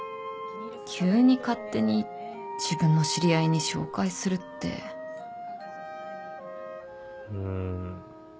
急に勝手に自分の知り合いに紹介うん。